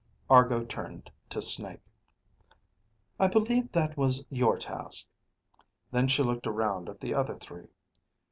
Argo turned to Snake. "I believe that was your task." Then she looked around at the other three.